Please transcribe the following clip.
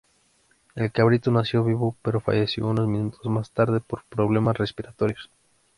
El cabrito nació vivo pero falleció unos minutos más tarde por problemas respiratorios.